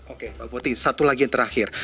oke pak bupati satu lagi yang terakhir